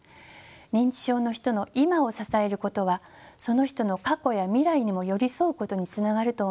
認知症の人の今を支えることはその人の過去や未来にも寄り添うことにつながると思います。